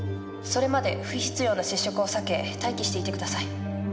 それまで不必要な接触を避け待機していて下さい。